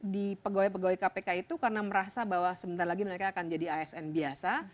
di pegawai pegawai kpk itu karena merasa bahwa sebentar lagi mereka akan jadi asn biasa